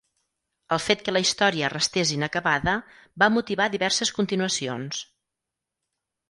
El fet que la història restés inacabada va motivar diverses continuacions.